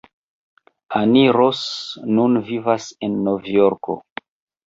Annie Ross nun vivas en Novjorko.